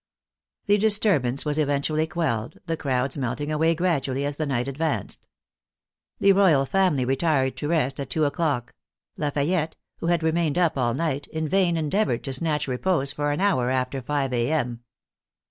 The disturbance was eventually quelled, the crowds melting away gradually as the night advanced. The royal family retired to rest at two o'clock ; Lafayette, who had remained up all night, in vain endeavored to snatch repose for an hour after five a. m.